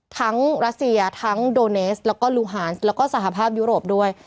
รัสเซียทั้งโดเนสแล้วก็ลูฮานแล้วก็สหภาพยุโรปด้วย